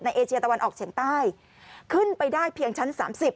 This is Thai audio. เอเชียตะวันออกเฉียงใต้ขึ้นไปได้เพียงชั้น๓๐